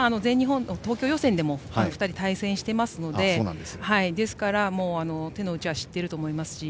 全日本、東京予選でも２人は対戦していますので手の内は知っていると思います。